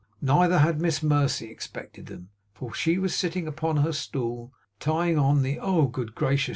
Neither had Miss Mercy expected them, for she was sitting upon her stool, tying on the oh good gracious!